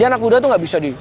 ya anak muda tuh gak bisa di